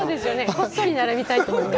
こっそり並びたいと思います。